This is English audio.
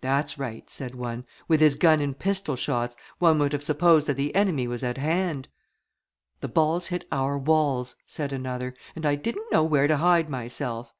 "That's right," said one; "with his gun and pistol shots, one would have supposed that the enemy was at hand." "The balls hit our walls," said another, "and I didn't know where to hide myself."